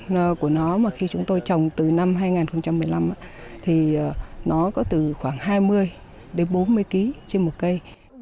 nơ của nó mà khi chúng tôi trồng từ năm hai nghìn một mươi năm thì nó có từ khoảng hai mươi đến bốn mươi kg trên một cây